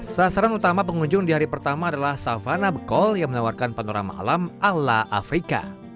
sasaran utama pengunjung di hari pertama adalah savana bekol yang menawarkan panorama alam ala afrika